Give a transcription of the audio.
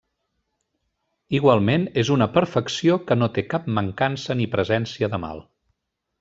Igualment és una perfecció que no té cap mancança ni presència de mal.